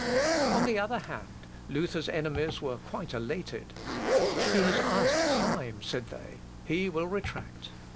On the other hand, Luther's enemies were quite elated. "He has asked time," said they; "he will retract.